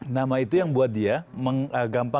nama itu yang buat dia menggampang